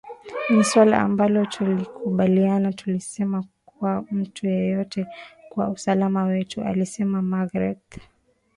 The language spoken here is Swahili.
ni suala ambalo tulikubaliana tusiliseme kwa mtu yeyote kwa usalama wetu alisema magreth